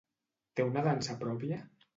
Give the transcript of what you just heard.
Té una dansa pròpia?